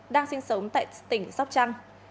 đang sinh sống tại tỉnh sóc trăng